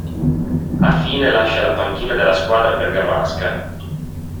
A fine lascia la panchina della squadra bergamasca.